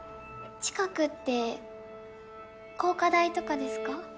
近くって高花大とかですか？